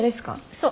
そう。